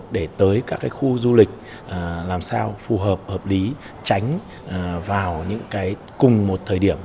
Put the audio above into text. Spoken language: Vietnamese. để tới các cái khu du lịch làm sao phù hợp hợp lý tránh vào những cái cùng một thời điểm